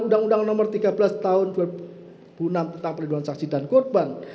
undang undang nomor tiga belas tahun dua ribu enam tentang perlindungan saksi dan korban